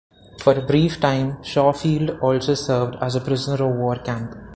For a brief time, Shaw Field also served as a prisoner-of-war camp.